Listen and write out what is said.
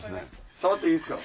触っていいですか？